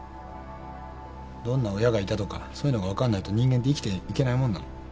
どんな親がいたとかそういうのが分かんないと人間って生きていけないもんなの？